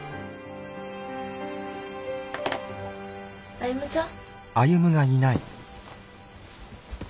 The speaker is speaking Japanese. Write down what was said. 歩ちゃん？